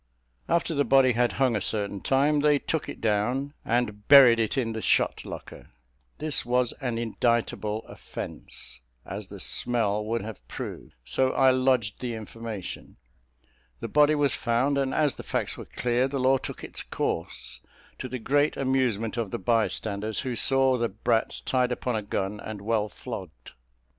After the body had hung a certain time, they took it down and buried it in the shot locker; this was an indictable offence, as the smell would have proved, so I lodged the information; the body was found, and as the facts were clear, the law took its course, to the great amusement of the bystanders, who saw the brats tied upon a gun, and well flogged.